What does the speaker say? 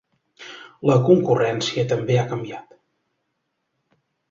La concurrència també ha canviat.